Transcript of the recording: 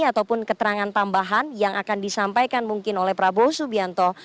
ataupun keterangan tambahan yang akan disampaikan mungkin oleh prabowo subianto